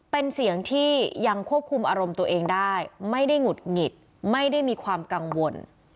เป็นเสียงที่ยังควบคุมอารมณ์ตัวเองได้ไม่ได้หงุดหงิดไม่ได้มีความกังวล